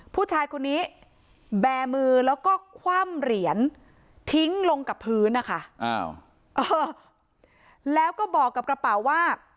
ผู้ชายคนนี้แบมือแล้วก็คว่ำเหรียญทิ้งลงกับพื้นนะคะแล้วก็บอกกับกระเป๋าว่า